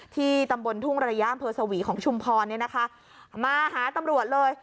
ที่ตำบลทุ่งระยะเผอร์สวีของชุมพรมาหาตำรวจเลย